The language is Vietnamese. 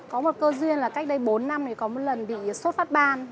có một cơ duyên là cách đây bốn năm có một lần bị sốt phát ban